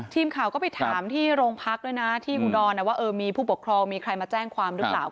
ทีมข่าก็ไปถามที่โรงพักษณ์ด้วยที่ฮูดออนว่ามีผู้ปกครองมีใครมาแจ้งความเรื่องกันรึเปล่า